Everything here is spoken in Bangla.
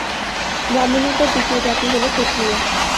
ব্রাহ্মণের পর দ্বিতীয় জাতি হল ক্ষত্রিয়।